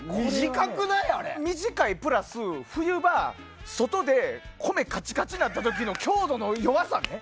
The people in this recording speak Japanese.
短いプラス、冬場外で米カチコチになった時の強度の弱さね。